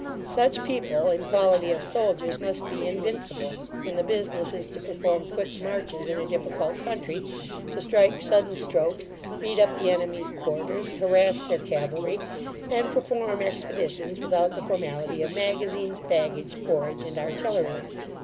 Such people, in quality of soldiers, must be invincible, when the business is to perform quick marches in a difficult country, to strike sudden strokes, beat up the enemy's quarters, harrass their cavalry, and perform expeditions without the formality of magazines, baggage, forage, and artillery.